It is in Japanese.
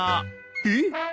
えっ！？